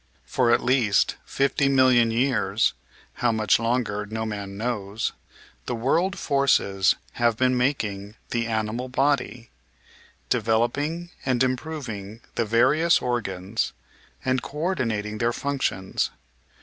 For at least fifty million years — ^how much longer no man knows — the world forces have been making the animal body, developing an4 improving the various organs and co ordinating their functions.